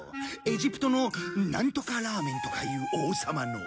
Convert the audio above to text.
エジプトのなんとかラーメンとかいう王様の。